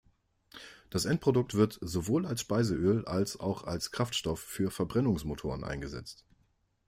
Das Endprodukt wird sowohl als Speiseöl als auch als Kraftstoff für Verbrennungsmotoren eingesetzt.